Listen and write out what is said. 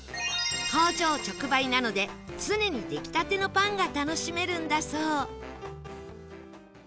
工場直売なので常に出来たてのパンが楽しめるんだそう